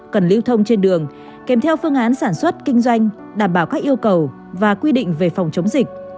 cần lưu thông trên đường kèm theo phương án sản xuất kinh doanh đảm bảo các yêu cầu và quy định về phòng chống dịch